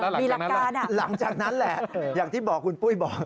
แล้วหลังจากนั้นล่ะหลังจากนั้นแหละอย่างที่บอกคุณปุ้ยบอก